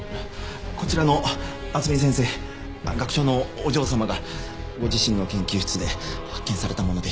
こちらの厚美先生学長のお嬢様がご自身の研究室で発見されたものでして。